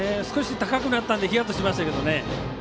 少し高くなったのでヒヤッとしましたけどね。